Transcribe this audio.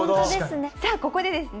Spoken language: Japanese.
さあここでですね